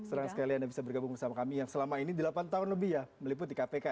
senang sekali anda bisa bergabung bersama kami yang selama ini delapan tahun lebih ya meliputi kpk